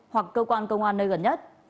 hoặc cơ quan công an nơi gần nhất